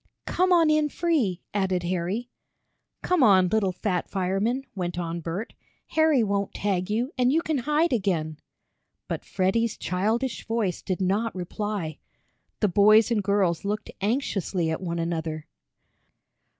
"Come on in free!" added Harry. "Come on, little fat fireman," went on Bert. "Harry won't tag you, and you can hide again." But Freddie's childish voice did not reply. The boys and girls looked anxiously at one another.